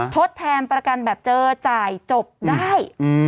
ทดแทนประกันแบบเจอจ่ายจบได้